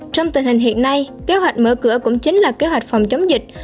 trong tình hình hiện nay kế hoạch mở cửa cũng chính là kế hoạch phòng chống dịch